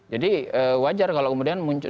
jadi wajar kalau kemudian muncul